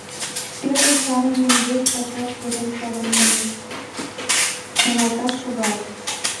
Первый шарымым вес пачаш кырен савырнымек, каналташ шогалыт.